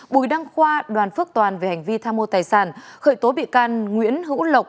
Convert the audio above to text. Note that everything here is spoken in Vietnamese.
bùi đăng khoa đoàn phước toàn về hành vi tham mô tài sản khởi tố bị can nguyễn hữu lộc